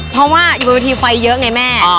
เพราะว่าอยู่ดีไฟเยอะไงแม่